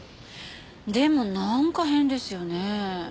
でもなんか変ですよねえ。